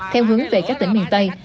theo hướng về các tỉnh miền tây